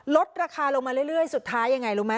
ลดราคาลงมาเรื่อยสุดท้ายยังไงรู้ไหม